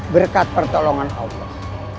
berkat pertolongan allah